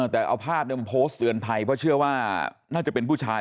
แต่เอาภาพมาโพสต์เตือนภัยเพราะเชื่อว่าน่าจะเป็นผู้ชาย